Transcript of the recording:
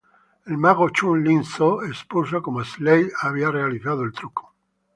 El mago Chung Ling Soo expuso cómo Slade había realizado el truco.